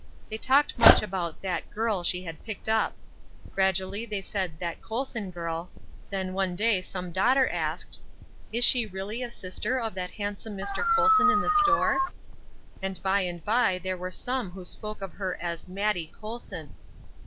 They talked much about "that girl" she had picked up. Gradually they said "that Colson girl"; then one day some daughter asked, "Is she really a sister of that handsome Mr. Colson in the store?" And by and by there were some who spoke of her as "Mattie Colson."